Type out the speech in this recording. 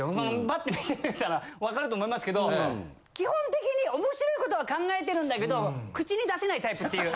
バッて見ていただいたら分かると思いますけど基本的におもしろいことは考えてるんだけど口に出せないタイプっていう。